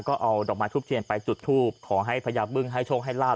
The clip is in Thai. ก็เอาดอกไม้ทูบเทียนไปจุดทูปขอให้พญาบึ้งให้โชคให้ลาบ